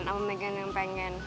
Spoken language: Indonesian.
sama megan yang pengen